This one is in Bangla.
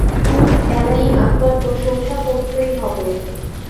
মিস অ্যানিং, আপনার প্রশংসা করতেই হবে।